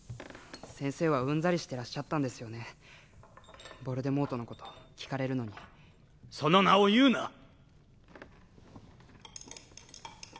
先生はうんざりしてらっしゃったんですよねヴォルデモートのこと聞かれるのにその名を言うな！